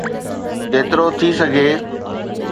جيترو ٿي سگهي